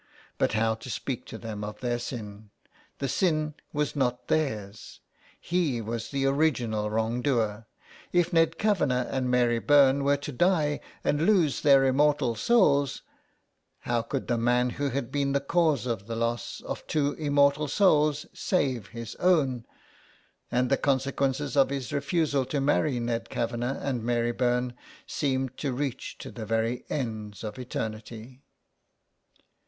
But how to speak to them of their sin ? The sin was not their's. He was the original wrong doer. If Ned Kavanagh and Mary Byrne were to die and lose their immortal souls, how could the man who had been the cause of the loss of two immortal souls save his own, and the consequences of his refusal to marry Ned Kavanagh 56 SOME PARISHIONERS. and Mary Byrne seemed to reach to the very ends of Eternity.